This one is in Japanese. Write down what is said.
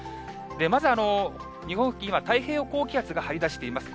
まず日本付近は太平洋高気圧が張り出しています。